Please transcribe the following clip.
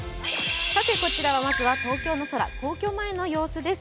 こちらはまずは東京の空、皇居前の様子です。